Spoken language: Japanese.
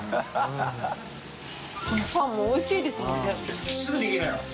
パンもおいしいですもんね